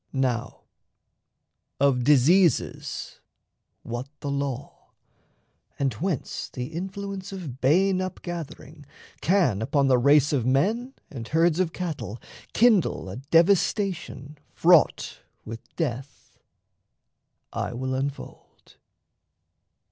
Now, of diseases what the law, and whence The Influence of bane upgathering can Upon the race of man and herds of cattle Kindle a devastation fraught with death, I will unfold.